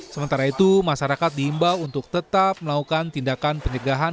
sementara itu masyarakat diimbau untuk tetap melakukan tindakan pencegahan